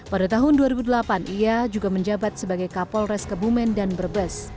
pada tahun dua ribu delapan ia juga menjabat sebagai kapolres kebumen dan brebes